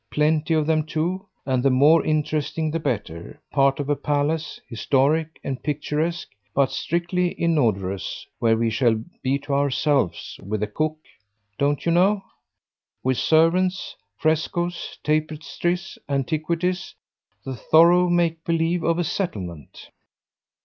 Plenty of them too, and the more interesting the better: part of a palace, historic and picturesque, but strictly inodorous, where we shall be to ourselves, with a cook, don't you know? with servants, frescoes, tapestries, antiquities, the thorough make believe of a settlement."